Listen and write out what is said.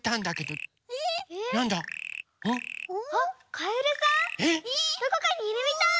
どこかにいるみたい。